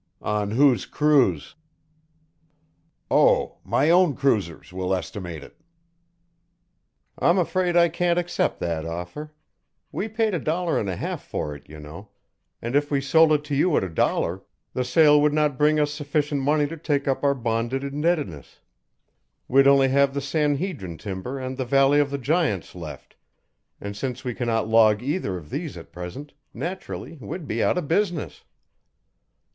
"On whose cruise?" "Oh, my own cruisers will estimate it." "I'm afraid I can't accept that offer. We paid a dollar and a half for it, you know, and if we sold it to you at a dollar, the sale would not bring us sufficient money to take up our bonded indebtedness; we'd only have the San Hedrin timber and the Valley of the Giants left, and since we cannot log either of these at present, naturally we'd be out of business."